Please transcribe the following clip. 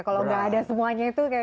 kalau tidak ada semuanya itu berat